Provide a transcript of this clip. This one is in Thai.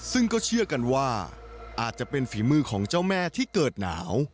ซึ่งก็เชื่อกันว่าอาจจะเป็นฝีมือของเจ้าแม่ที่เกิดหนาว